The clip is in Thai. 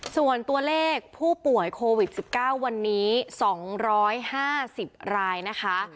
ส่วนตัวเลขผู้ป่วยโควิด๑๙วันนี้๒๕๐รายนะคะ